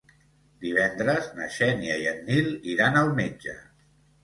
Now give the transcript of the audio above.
Divendres na Xènia i en Nil iran al metge.